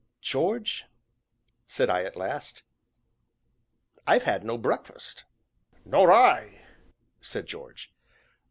"George," said I at last, "I've had no breakfast." "Nor I!" said George.